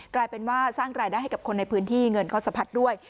กลายเป็นว่าสร้างรายได้ให้กับคนในพื้นที่เงินเขาสะพัดด้วย